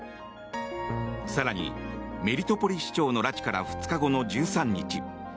更に、メリトポリ市長の拉致から２日後の１３日